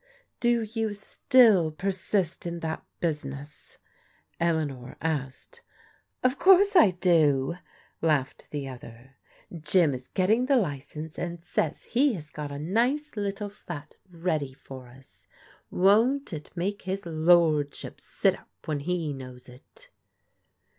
Do you still persist in that business ?" Eleanor asked. Of course I do," laughed the other. " Jim is getting the license, and says he has got a nice little flat ready for us. Won't it make his lordship sit up when he knows it?"